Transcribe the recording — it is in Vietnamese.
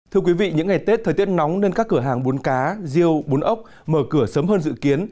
thưa quý vị những ngày tết thời tiết nóng nên các cửa hàng bún cá rêu bún ốc mở cửa sớm hơn dự kiến